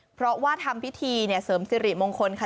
เพราะว่าทำพิธีเสริมสิริมงคลค่ะ